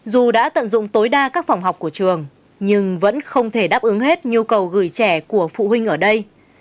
dù đã tận dụng tối đa các phòng học của trường nhưng vẫn không thể đáp ứng hết nhu cầu gửi trẻ của phụ huynh ở đây